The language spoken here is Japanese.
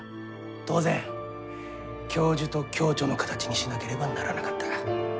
当然教授と共著の形にしなければならなかった。